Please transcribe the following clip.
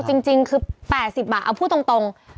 จริงคือ๘๐บาทเอาพูดตรง